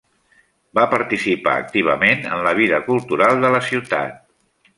Va participar activament en la vida cultural de la ciutat.